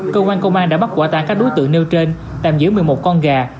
cơ quan công an đã bắt quả tang các đối tượng nêu trên tạm giữ một mươi một con gà